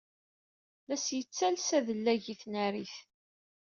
La as-yettales adlag i tnarit.